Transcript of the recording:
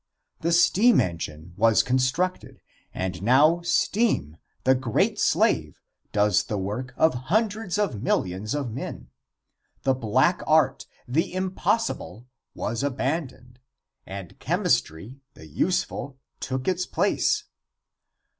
The steam engine was constructed, and now steam, the great slave, does the work of hundreds of millions of men. The Black Art, the impossible, was abandoned, and chemistry, the useful, took its place.